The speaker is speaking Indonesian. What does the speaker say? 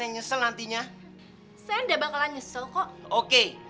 mereka tidak akan mau melihat jenazah bapak